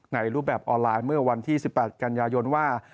ในรูปแบบออนไลน์เมื่อวันที่๑๘กันยายนว่า